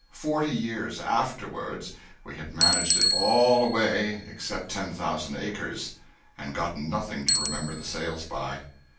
Forty years afterward, we had managed it all away except 10,000 acres, and gotten nothing to remember the sales by.